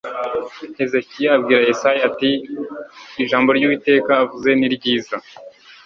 hezekiya abwira yesaya ati ijambo ry'uwiteka avuze ni ryiza